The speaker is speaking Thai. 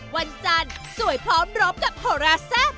วันจันทร์สวยพร้อมรบกับโหราแซ่บ